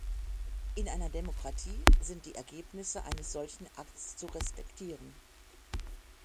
In einer Demokratie sind die Ergebnisse eines solchen Akts zu respektieren.